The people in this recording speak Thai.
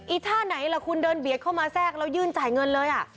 ท่าไหนล่ะคุณเดินเบียดเข้ามาแทรกแล้วยื่นจ่ายเงินเลย